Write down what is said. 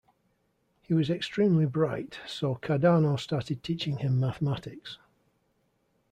He was extremely bright, so Cardano started teaching him mathematics.